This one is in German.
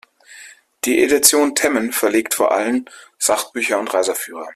Die Edition Temmen verlegt vor allem Sachbücher und Reiseführer.